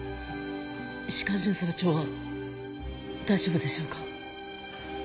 石川巡査部長は大丈夫でしょうか？